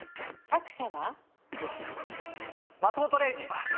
作者は？